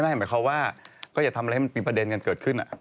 หมายความว่าก็อย่าทำอะไรให้มันมีประเด็นกันเกิดขึ้น